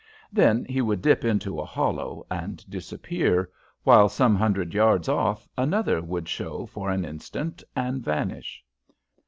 Then he would dip into a hollow and disappear, while some hundred yards off another would show for an instant and vanish.